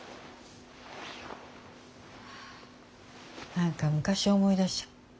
何か昔を思い出しちゃう。